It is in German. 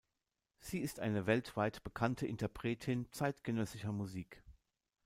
Sie ist eine weltweit bekannte Interpretin zeitgenössischer Musik.